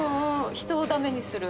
人をダメにする。